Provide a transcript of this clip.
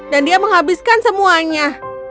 dan dia menghabiskan semuanya